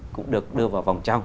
cũng được đưa vào vòng trong